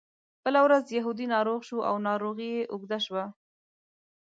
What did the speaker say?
بله ورځ یهودي ناروغ شو او ناروغي یې اوږده شوه.